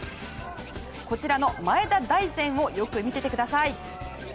こちらの前田大然をよく見ててください。